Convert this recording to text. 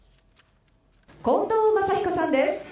近藤真彦さんです。